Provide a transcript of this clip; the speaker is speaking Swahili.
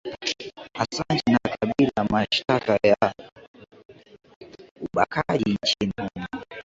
asanji na kabila mashtaka ya ubakaji nchini humo